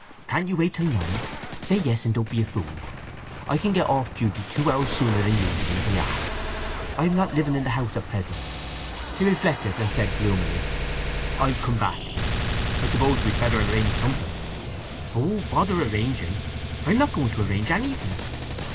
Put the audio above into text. "Can't you wait till nine? Say yes, and don't be a fool. I can get off duty two hours sooner than usual, if I ask. I am not living in the house at present." He reflected and said gloomily, "I'll come back. I suppose we'd better arrange something." "Oh, bother arranging! I'm not going to arrange anything!"